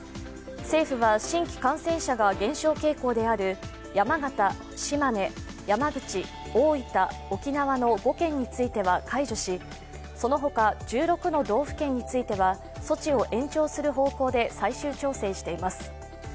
政府は、新規感染者が減少傾向である山形、島根、山口、大分、沖縄の５県については解除しその他１６の道府県については措置を延長する方向で最終調整しています。